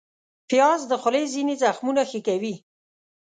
پیاز د خولې ځینې زخمونه ښه کوي